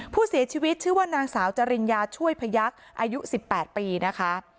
ผู้เสียชีวิตชื่อว่านางสาวจริญญาช่วยพยักษ์อายุ๑๘ปีนะคะ